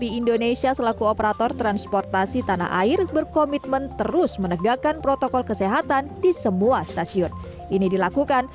tidak perlu lagi melakukan pendaftaran karena pendaftaran ini sudah di dalam daftar masih bisa menunjukkan nomor induk kependudukan